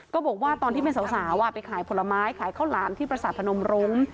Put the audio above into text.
บอกว่าตอนที่เป็นสาวไปขายผลไม้ขายข้าวหลามที่ประสาทพนมรุ้ง